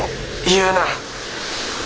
言うな。